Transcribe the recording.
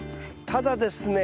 ただですね